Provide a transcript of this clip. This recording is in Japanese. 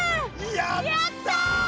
やった！